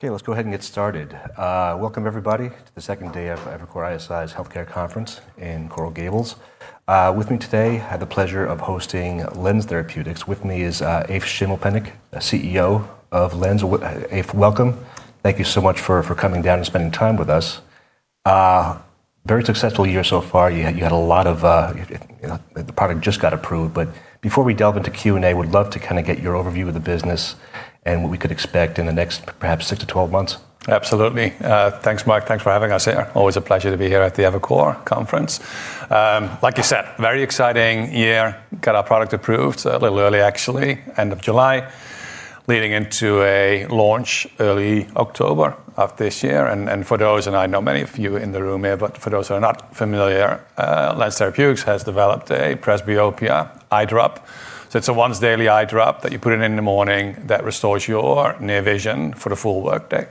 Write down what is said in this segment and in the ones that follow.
Okay, let's go ahead and get started. Welcome, everybody, to the second day of Evercore ISI's healthcare conference in Coral Gables. With me today, I have the pleasure of hosting LENZ Therapeutics. With me is Eef Schimmelpennink, CEO of LENZ. Eef, welcome. Thank you so much for coming down and spending time with us. Very successful year so far. You had a lot of the product just got approved. But before we delve into Q&A, we'd love to kind of get your overview of the business and what we could expect in the next, perhaps, 6 to 12 months. Absolutely. Thanks, Marc. Thanks for having us here. Always a pleasure to be here at the Evercore conference. Like you said, very exciting year. Got our product approved a little early, actually, end of July, leading into a launch early October of this year. And for those, and I know many of you in the room here, but for those who are not familiar, LENZ Therapeutics has developed a presbyopia eye drop. So it's a once-daily eye drop that you put in in the morning that restores your near vision for the full workday.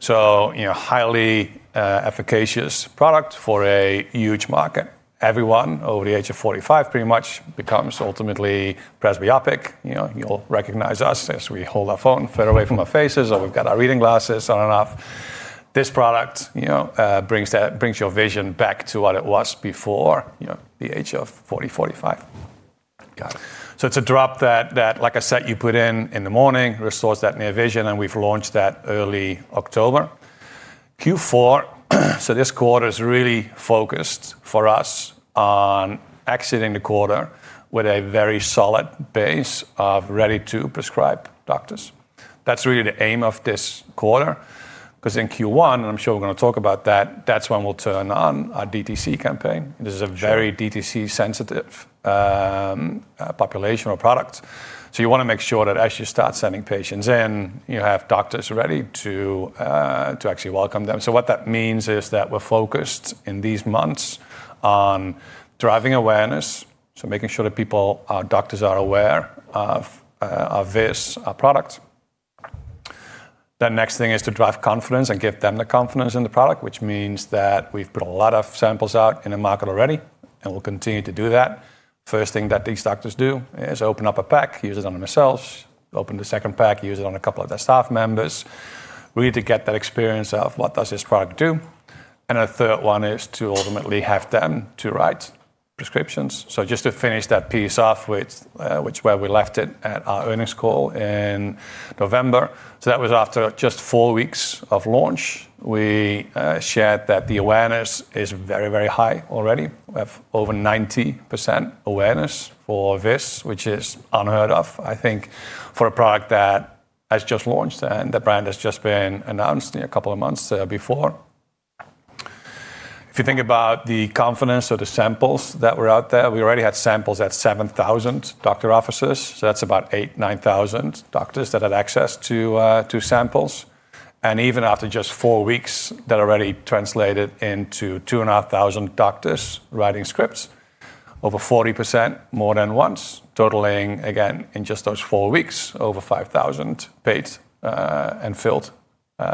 So a highly efficacious product for a huge market. Everyone over the age of 45 pretty much becomes ultimately presbyopic. You'll recognize us as we hold our phone far away from our faces, or we've got our reading glasses on and off. This product brings your vision back to what it was before the age of 40, 45. Got it. So it's a drop that, like I said, you put in in the morning, restores that near vision, and we've launched that early October. Q4, so this quarter is really focused for us on exiting the quarter with a very solid base of ready-to-prescribe doctors. That's really the aim of this quarter. Because in Q1, and I'm sure we're going to talk about that, that's when we'll turn on our DTC campaign. This is a very DTC-sensitive population or product. So you want to make sure that as you start sending patients in, you have doctors ready to actually welcome them. So what that means is that we're focused in these months on driving awareness, so making sure that people, our doctors, are aware of this product. The next thing is to drive confidence and give them the confidence in the product, which means that we've put a lot of samples out in the market already, and we'll continue to do that. First thing that these doctors do is open up a pack, use it on themselves, open the second pack, use it on a couple of their staff members, really to get that experience of what does this product do, and a third one is to ultimately have them to write prescriptions, so just to finish that piece off, which is where we left it at our earnings call in November, so that was after just four weeks of launch, we shared that the awareness is very, very high already. We have over 90% awareness for this, which is unheard of, I think, for a product that has just launched and the brand has just been announced a couple of months before. If you think about the confidence of the samples that were out there, we already had samples at 7,000 doctor offices. So that's about 8,000-9,000 doctors that had access to samples. And even after just four weeks, that already translated into 2,500 doctors writing scripts, over 40% more than once, totaling, again, in just those four weeks, over 5,000 paid and filled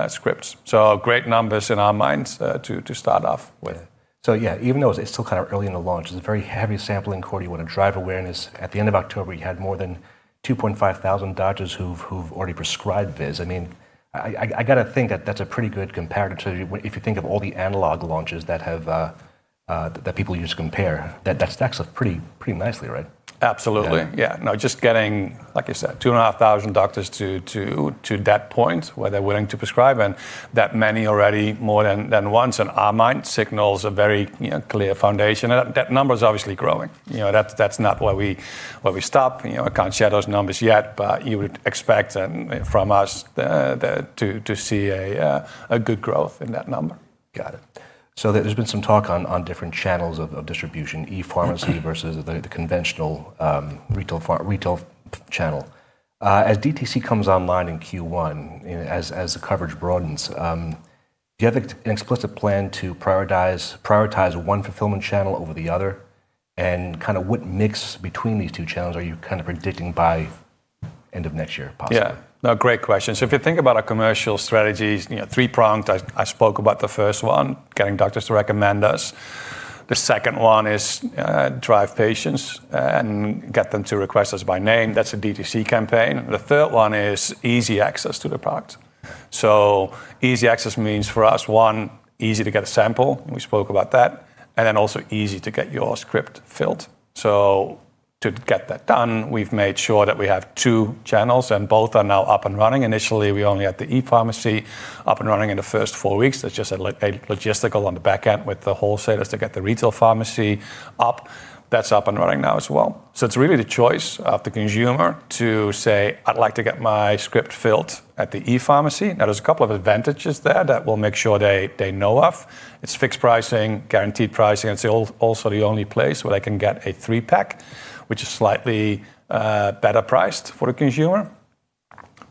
scripts. So great numbers in our minds to start off with. So yeah, even though it's still kind of early in the launch, it's a very heavy sampling quarter. You want to drive awareness. At the end of October, you had more than 2,500 doctors who've already prescribed this. I mean, I got to think that that's a pretty good comparator to if you think of all the analog launches that people use to compare, that stacks up pretty nicely, right? Absolutely. Yeah. Now, just getting, like you said, 2,500 doctors to that point where they're willing to prescribe, and that many already more than once in our minds signals a very clear foundation. That number is obviously growing. That's not where we stop. I can't share those numbers yet, but you would expect from us to see a good growth in that number. Got it. So there's been some talk on different channels of distribution, e-pharmacy versus the conventional retail channel. As DTC comes online in Q1, as the coverage broadens, do you have an explicit plan to prioritize one fulfillment channel over the other? And kind of what mix between these two channels are you kind of predicting by end of next year, possibly? Yeah. No, great question. So if you think about our commercial strategies, three-pronged. I spoke about the first one, getting doctors to recommend us. The second one is drive patients and get them to request us by name. That's a DTC campaign. The third one is easy access to the product. So easy access means for us, one, easy to get a sample. We spoke about that. And then also easy to get your script filled. So to get that done, we've made sure that we have two channels, and both are now up and running. Initially, we only had the e-pharmacy up and running in the first four weeks. That's just a logistical on the back end with the wholesalers to get the retail pharmacy up. That's up and running now as well. So it's really the choice of the consumer to say, "I'd like to get my script filled at the e-pharmacy." Now, there's a couple of advantages there that we'll make sure they know of. It's fixed pricing, guaranteed pricing. It's also the only place where they can get a three-pack, which is slightly better priced for the consumer.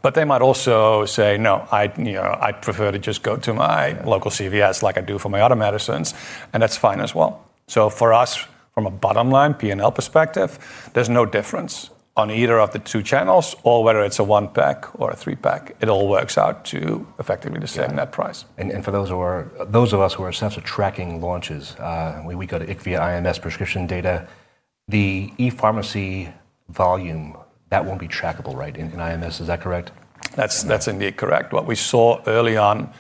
But they might also say, "No, I'd prefer to just go to my local CVS like I do for my other medicines," and that's fine as well. So for us, from a bottom-line P&L perspective, there's no difference on either of the two channels, or whether it's a one-pack or a three-pack. It all works out to effectively the same net price. For those of us who are essentially tracking launches, we go to IQVIA IMS prescription data. The e-pharmacy volume, that won't be trackable, right, in IMS? Is that correct? That's indeed correct. What we saw early on,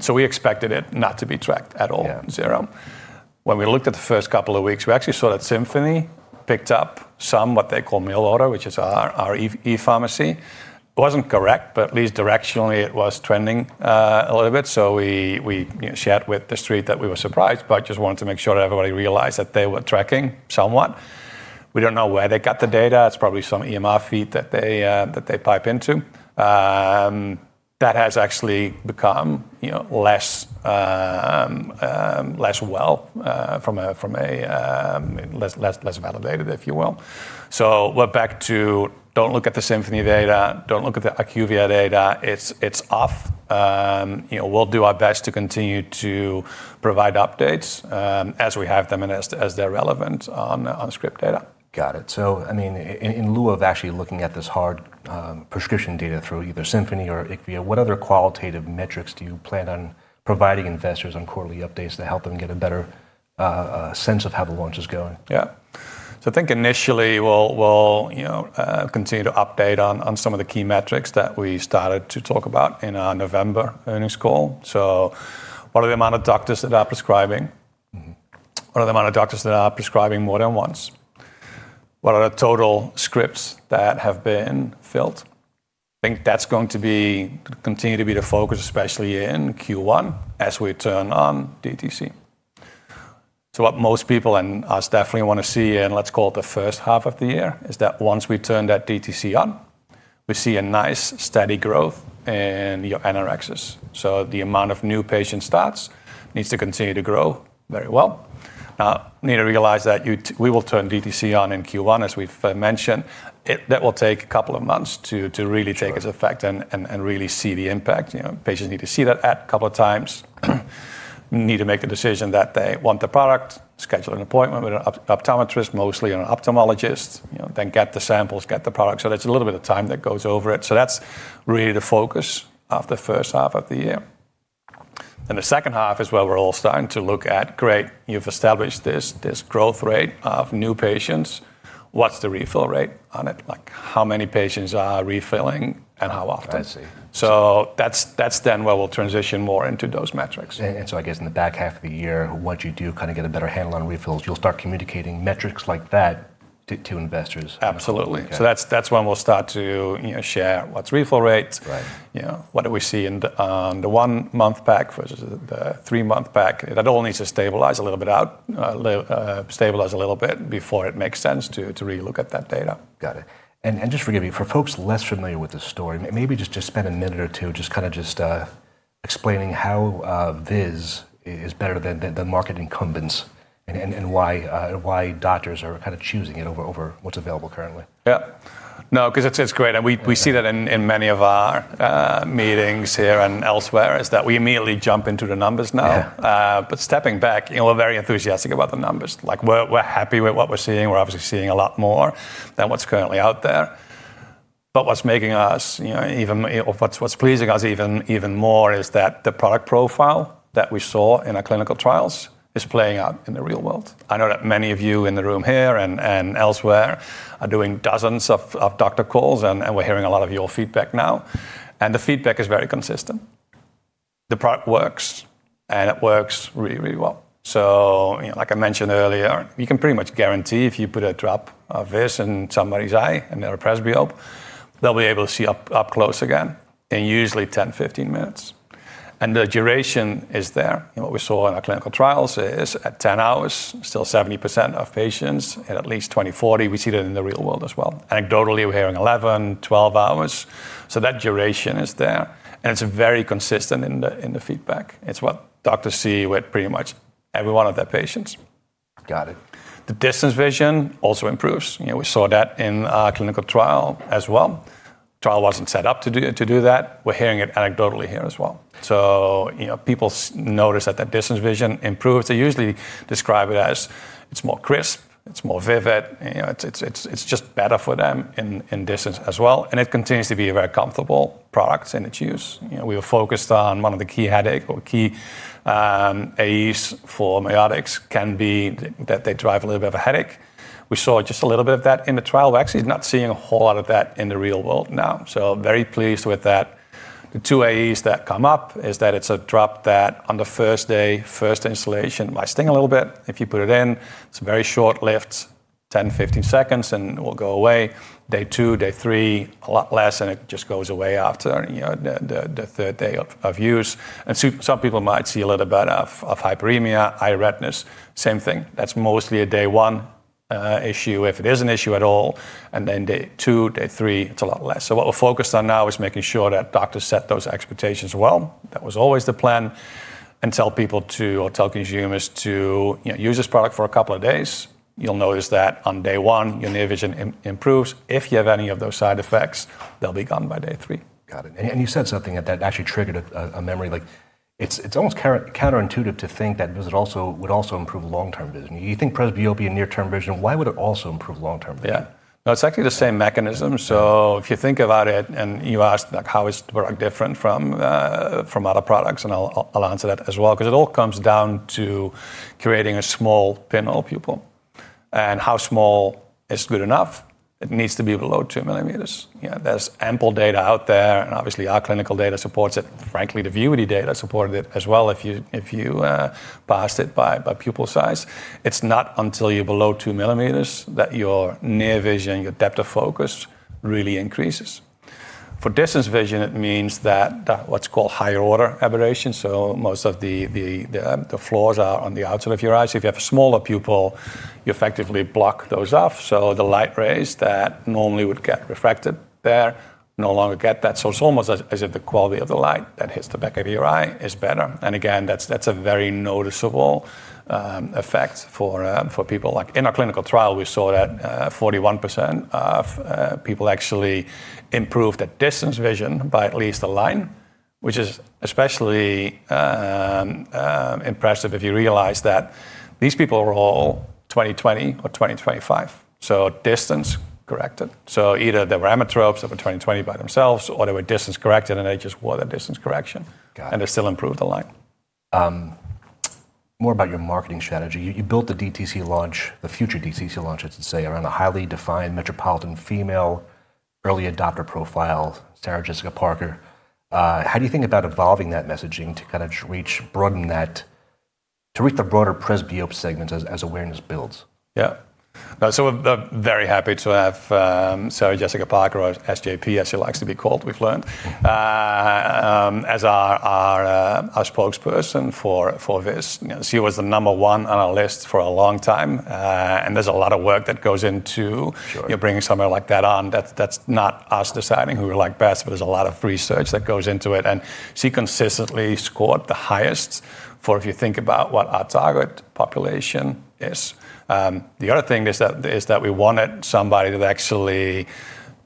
so we expected it not to be tracked at all, zero. When we looked at the first couple of weeks, we actually saw that Symphony picked up some what they call mail order, which is our e-pharmacy. It wasn't correct, but at least directionally, it was trending a little bit. So we shared with the street that we were surprised, but just wanted to make sure that everybody realized that they were tracking somewhat. We don't know where they got the data. It's probably some EMR feed that they pipe into. That has actually become less well from a less validated, if you will. So we're back to don't look at the Symphony data, don't look at the IQVIA data. It's off. We'll do our best to continue to provide updates as we have them and as they're relevant on script data. Got it. So I mean, in lieu of actually looking at this hard prescription data through either Symphony or IQVIA, what other qualitative metrics do you plan on providing investors on quarterly updates to help them get a better sense of how the launch is going? Yeah. So I think initially, we'll continue to update on some of the key metrics that we started to talk about in our November earnings call. So what are the amount of doctors that are prescribing? What are the amount of doctors that are prescribing more than once? What are the total scripts that have been filled? I think that's going to continue to be the focus, especially in Q1, as we turn on DTC. So what most people and us definitely want to see here, and let's call it the first half of the year, is that once we turn that DTC on, we see a nice steady growth in your NRx. So the amount of new patient starts needs to continue to grow very well. Now, you need to realize that we will turn DTC on in Q1, as we've mentioned. That will take a couple of months to really take its effect and really see the impact. Patients need to see that ad a couple of times, need to make the decision that they want the product, schedule an appointment with an optometrist, mostly an ophthalmologist, then get the samples, get the product, so there's a little bit of time that goes over it, so that's really the focus of the first half of the year, and the second half is where we're all starting to look at, great, you've established this growth rate of new patients. What's the refill rate on it? How many patients are refilling and how often? I see. So that's then where we'll transition more into those metrics. And so I guess in the back half of the year, once you do kind of get a better handle on refills, you'll start communicating metrics like that to investors. Absolutely. So that's when we'll start to share what's refill rates, what do we see in the one-month pack versus the three-month pack. That all needs to stabilize a little bit out, stabilize a little bit before it makes sense to really look at that data. Got it. And just forgive me, for folks less familiar with the story, maybe just spend a minute or two just kind of explaining how VIZZ is better than the market incumbents and why doctors are kind of choosing it over what's available currently. Yeah. No, because it's great, and we see that in many of our meetings here and elsewhere is that we immediately jump into the numbers now, but stepping back, we're very enthusiastic about the numbers. We're happy with what we're seeing. We're obviously seeing a lot more than what's currently out there, but what's making us, even what's pleasing us even more is that the product profile that we saw in our clinical trials is playing out in the real world. I know that many of you in the room here and elsewhere are doing dozens of doctor calls, and we're hearing a lot of your feedback now, and the feedback is very consistent. The product works, and it works really, really well. So like I mentioned earlier, you can pretty much guarantee if you put a drop of this in somebody's eye and they're a presbyope, they'll be able to see up close again in usually 10-15 minutes. And the duration is there. What we saw in our clinical trials is at 10 hours, still 70% of patients at least 20/40. We see that in the real world as well. Anecdotally, we're hearing 11-12 hours. So that duration is there. And it's very consistent in the feedback. It's what doctors see with pretty much every one of their patients. Got it. The distance vision also improves. We saw that in our clinical trial as well. The trial wasn't set up to do that. We're hearing it anecdotally here as well. So people notice that that distance vision improves. They usually describe it as it's more crisp, it's more vivid. It's just better for them in distance as well, and it continues to be a very comfortable product in its use. We were focused on one of the key headache or key AEs for miotics can be that they drive a little bit of a headache. We saw just a little bit of that in the trial. We're actually not seeing a whole lot of that in the real world now, so very pleased with that. The two AEs that come up is that it's a drop that on the first day, first instillation might sting a little bit. If you put it in, it's a very short lift, 10, 15 seconds, and it will go away. Day two, day three, a lot less, and it just goes away after the third day of use, and some people might see a little bit of hyperemia, eye redness, same thing. That's mostly a day one issue if it is an issue at all, and then day two, day three, it's a lot less, so what we're focused on now is making sure that doctors set those expectations well. That was always the plan, and tell people to, or tell consumers to use this product for a couple of days. You'll notice that on day one, your near vision improves. If you have any of those side effects, they'll be gone by day three. Got it. And you said something that actually triggered a memory. It's almost counterintuitive to think that it would also improve long-term vision. You think presbyopia and near-term vision, why would it also improve long-term vision? Yeah. No, it's actually the same mechanism. So if you think about it and you ask how is the product different from other products, and I'll answer that as well, because it all comes down to creating a small pinhole pupil, and how small is good enough? It needs to be below 2 mm. There's ample data out there, and obviously our clinical data supports it. Frankly, the Vuity data supported it as well if you parse it by pupil size. It's not until you're below 2 mm that your near vision, your depth of focus really increases. For distance vision, it means that what's called higher order aberration. So most of the flaws are on the outside of your eyes. If you have a smaller pupil, you effectively block those off. So the light rays that normally would get refracted there no longer get that. It's almost as if the quality of the light that hits the back of your eye is better. Again, that's a very noticeable effect for people. In our clinical trial, we saw that 41% of people actually improved at distance vision by at least a line, which is especially impressive if you realize that these people were all 20/20 or 20/25. Distance corrected. Either they were emmetropes that were 20/20 by themselves, or they were distance corrected, and they just wore that distance correction. They still improved the line. More about your marketing strategy. You built the DTC launch, the future DTC launch, I should say, around a highly defined metropolitan female early adopter profile, Sarah Jessica Parker. How do you think about evolving that messaging to kind of reach, broaden that, to reach the broader presbyope segments as awareness builds? Yeah. So we're very happy to have Sarah Jessica Parker, or SJP, as she likes to be called, we've learned, as our spokesperson for VIZZ. She was the number one on our list for a long time. And there's a lot of work that goes into bringing somebody like that on. That's not us deciding who we like best, but there's a lot of research that goes into it. And she consistently scored the highest for if you think about what our target population is. The other thing is that we wanted somebody that actually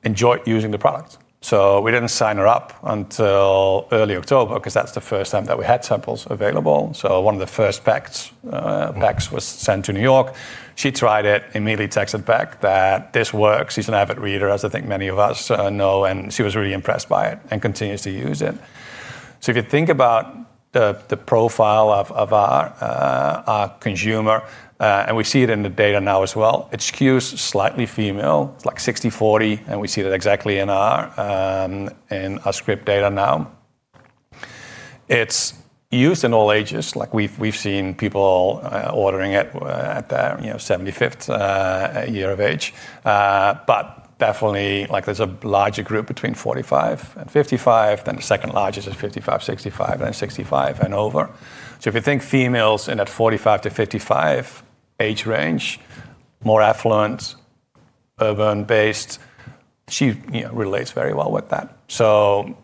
enjoyed using the product. So we didn't sign her up until early October because that's the first time that we had samples available. So one of the first packs was sent to New York. She tried it, immediately texted back that this works. She's an avid reader, as I think many of us know, and she was really impressed by it and continues to use it. So if you think about the profile of our consumer, and we see it in the data now as well, it skews slightly female, like 60-40, and we see that exactly in our script data now. It's used in all ages. We've seen people ordering it at their 75th year of age. But definitely, there's a larger group between 45 and 55, then the second largest is 55-65, and then 65 and over. So if you think females in that 45-55 age range, more affluent, urban-based, she relates very well with that. So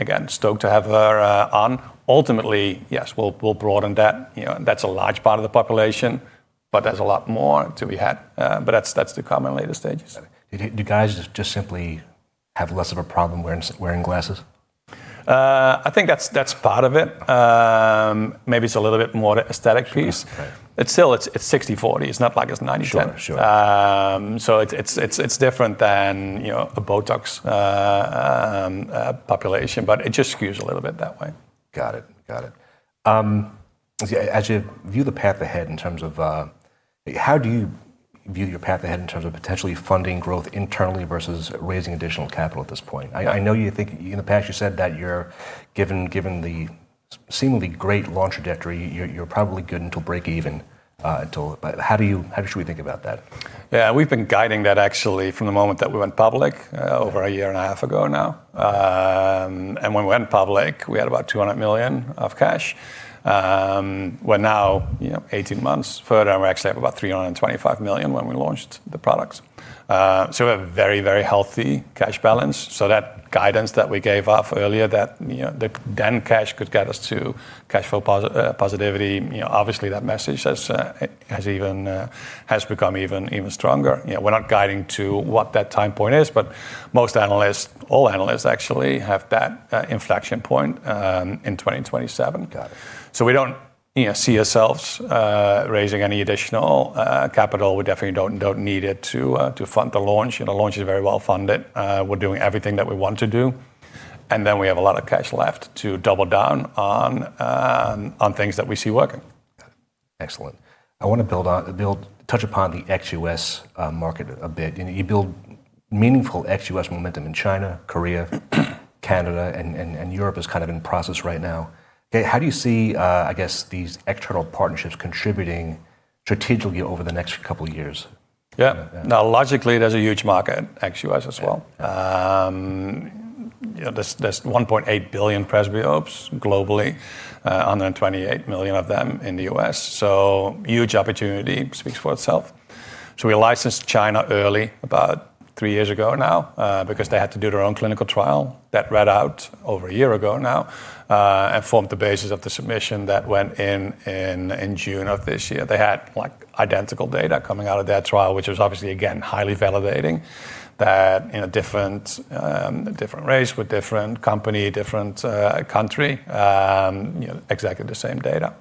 again, stoked to have her on. Ultimately, yes, we'll broaden that. That's a large part of the population, but there's a lot more to be had. But that's the common later stages. Do guys just simply have less of a problem wearing glasses? I think that's part of it. Maybe it's a little bit more the aesthetic piece. It's still, it's 60-40. It's not like it's 90-20. So it's different than a Botox population, but it just skews a little bit that way. Got it. Got it. How do you view your path ahead in terms of potentially funding growth internally versus raising additional capital at this point? I know you think in the past you said that given the seemingly great launch trajectory, you're probably good until break even. How should we think about that? Yeah, we've been guiding that actually from the moment that we went public over a year and a half ago now. And when we went public, we had about $200 million of cash. We're now 18 months further, and we actually have about $325 million when we launched the products. So we have a very, very healthy cash balance. So that guidance that we gave off earlier that then cash could get us to cash flow positivity, obviously that message has become even stronger. We're not guiding to what that time point is, but most analysts, all analysts actually have that inflection point in 2027. So we don't see ourselves raising any additional capital. We definitely don't need it to fund the launch. The launch is very well funded. We're doing everything that we want to do. And then we have a lot of cash left to double down on things that we see working. Excellent. I want to touch upon the ex-U.S. market a bit. You build meaningful ex-U.S. momentum in China, Korea, Canada, and Europe is kind of in process right now. How do you see, I guess, these external partnerships contributing strategically over the next couple of years? Yeah. Now, logically, there's a huge market in ex-U.S. as well. There's 1.8 billion presbyopes globally, 128 million of them in the U.S. So huge opportunity speaks for itself. So we licensed China early about three years ago now because they had to do their own clinical trial that read out over a year ago now and formed the basis of the submission that went in in June of this year. They had identical data coming out of that trial, which was obviously, again, highly validating that in a different race with different company, different country, exactly the same data.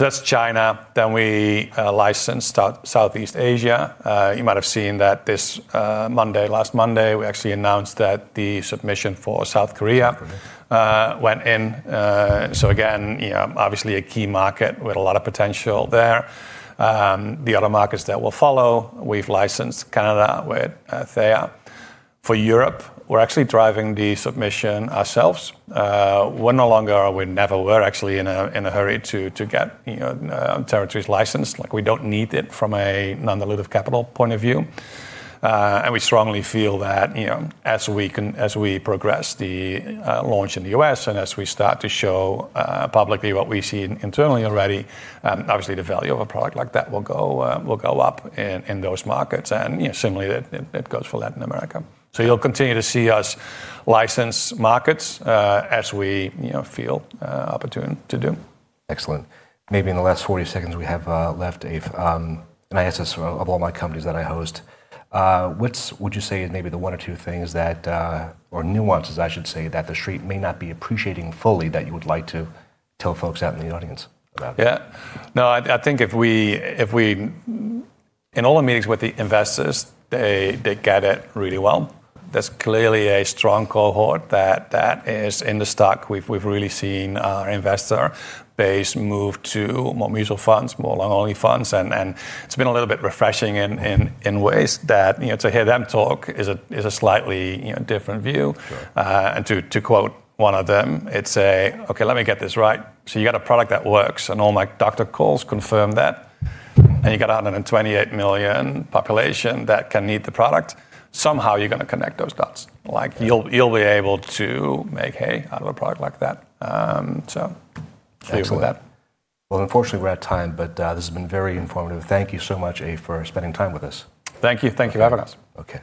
So that's China. Then we licensed Southeast Asia. You might have seen that this Monday, last Monday, we actually announced that the submission for South Korea went in. So again, obviously a key market with a lot of potential there. The other markets that will follow, we've licensed Canada with Théa. For Europe, we're actually driving the submission ourselves. We're no longer, or we never were actually in a hurry to get territories licensed. We don't need it from a non-dilutive capital point of view, and we strongly feel that as we progress the launch in the U.S. and as we start to show publicly what we see internally already, obviously the value of a product like that will go up in those markets, and similarly, that goes for Latin America, so you'll continue to see us license markets as we feel opportune to do. Excellent. Maybe in the last 40 seconds we have left, Eef, and I ask this of all my companies that I host, what would you say is maybe the one or two things that, or nuances, I should say, that the street may not be appreciating fully that you would like to tell folks out in the audience about? Yeah. No, I think if we in all the meetings with the investors, they get it really well. There's clearly a strong cohort that is in the stock. We've really seen our investor base move to more mutual funds, more long-only funds, and it's been a little bit refreshing in ways, that to hear them talk is a slightly different view, and to quote one of them, it's a, "Okay, let me get this right," so you got a product that works, and all my doctor calls confirm that, and you got 128 million population that can need the product. Somehow you're going to connect those dots. You'll be able to make hay out of a product like that, so thanks for that. Unfortunately, we're at time, but this has been very informative. Thank you so much, Eef, for spending time with us. Thank you. Thank you for having us. Okay.